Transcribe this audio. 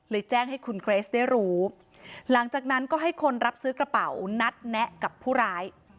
แจ้งให้คุณเกรสได้รู้หลังจากนั้นก็ให้คนรับซื้อกระเป๋านัดแนะกับผู้ร้าย